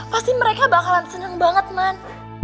pasti mereka bakalan seneng banget man